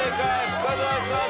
深澤さん